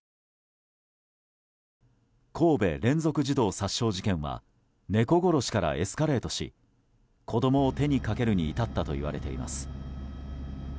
神戸連続児童殺傷事件は猫殺しからエスカレートし子どもを手にかけるに至ったといわれています。